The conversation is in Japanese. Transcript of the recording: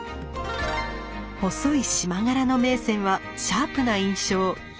細い縞柄の銘仙はシャープな印象。